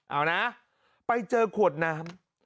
เอานะไปเจอขวดน้ำ